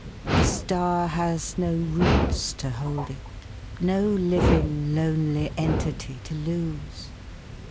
A star has do roots to hold it, No living lonely entity to lose.